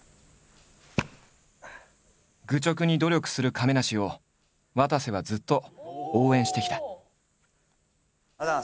愚直に努力する亀梨をわたせはずっと応援してきた。